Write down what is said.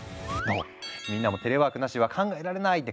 みんなも「テレワークなしは考えられない！」って感じ？